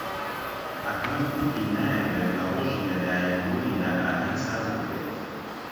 ئەحمەد گوتی نایەوێت لە ڕۆژی لەدایکبوونیدا ئاهەنگ ساز بکرێت.